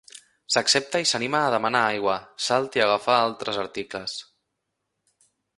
S'accepta i s'anima a demanar aigua, salt i agafar altres articles.